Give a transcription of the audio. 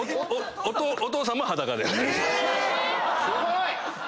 え⁉すごい！